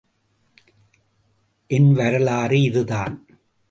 என் வரலாறு இதுதான்.